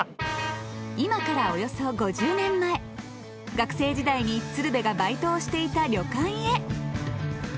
今からおよそ５０年前学生時代に鶴瓶がバイトをしていた旅館へ。